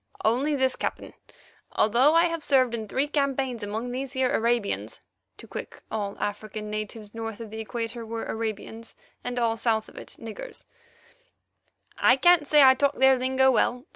"Only this, Captain. Although I have served in three campaigns among these here Arabians (to Quick, all African natives north of the Equator were Arabians, and all south of it, niggers), I can't say I talk their lingo well.